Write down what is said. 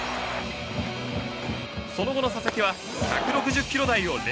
その後の佐々木は１６０キロ台を連発。